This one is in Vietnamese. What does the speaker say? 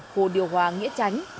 khu điều hòa nghĩa tránh